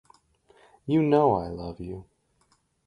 You know I love you.